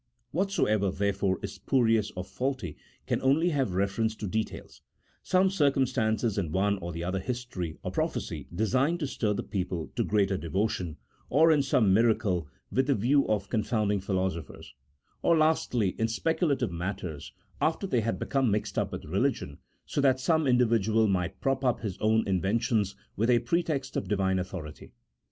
Whatsoever, therefore, is spurious or faulty can only have reference to details — some circumstances in one or the other history or prophecy designed to stir the people to greater devotion ; or in some miracle, with a view of 174 A THEOLOGICO POLITICAL TREATISE. [CHAP. XII. confounding philosophers ; or, lastly, in speculative matters after they had become mixed up with religion, so that some individual might prop up his own inventions with a pre text of Divine authority.